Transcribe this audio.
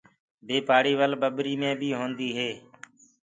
بي پآڙيِ ول ٻڀري مي بي هوندي هي۔